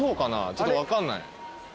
ちょっと分かんない。